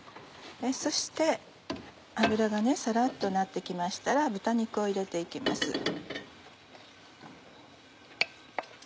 そして油がサラっとなって来ましたら豚肉を入れて行きます。